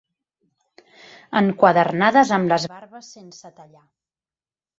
Enquadernades amb les barbes sense tallar.